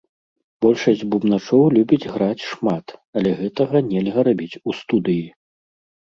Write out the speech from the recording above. Большасць бубначоў любіць граць шмат, але гэтага нельга рабіць у студыі.